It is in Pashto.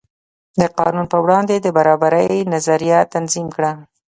د قانون په وړاندې د برابرۍ نظریه تنظیم کړه.